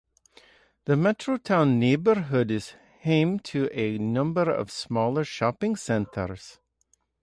The Metrotown neighbourhood is home to a number of smaller shopping centres.